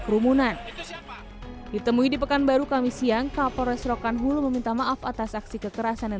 kebunan ditemui di pekan baru kami siang kapolres rokan hulu meminta maaf atas aksi kekerasan yang